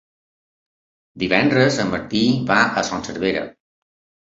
Divendres en Martí va a Son Servera.